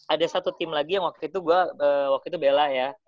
ada satu tim lagi yang waktu itu gue waktu itu bela ya